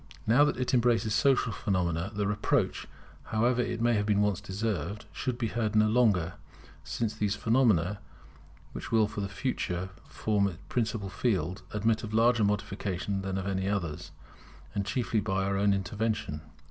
Now that it embraces Social phenomena, the reproach, however it may have been once deserved, should be heard no longer, since these phenomena, which will for the future form its principal field, admit of larger modification than any others, and that chiefly by our own intervention.